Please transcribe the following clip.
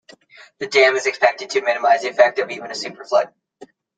The dam is expected to minimize the effect of even a "super" flood.